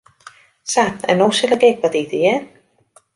Sa, en no sil ik ek wat ite, hear.